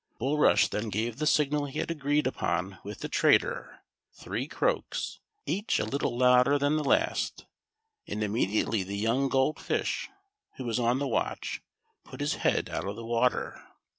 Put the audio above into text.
Bulrush then gave the signal he had agreed upon with the traitor, three croaks, each a little louder than the last, and immediately the young Gold Fish, who was on the watch, put his head out of the water.